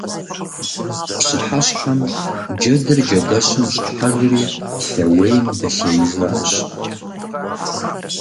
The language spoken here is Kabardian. Пщыхьэщхьэм джэдыр джэдэщым щӀыхьэжри лъэуейм дэлъеижащ.